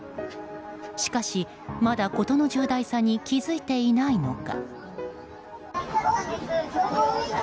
しかし、まだ事の重大さに気づいていないのか。